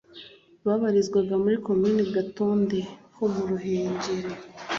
Babarizwaga muri Komini Gatonde ho mu Ruhengeri